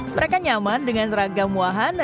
mereka nyaman dengan ragam wahana